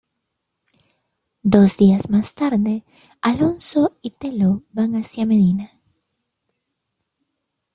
Dos días más tarde, Alonso y Tello van hacia Medina.